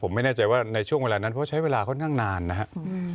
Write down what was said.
ผมไม่แน่ใจว่าในช่วงเวลานั้นเพราะใช้เวลาเขานั่งนานนะครับ